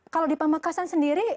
kalau di pamekasan sendiri